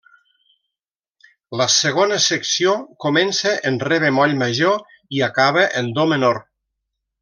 La segona secció comença en re bemoll major i acaba en do menor.